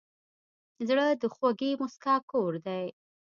زړه د خوږې موسکا کور دی.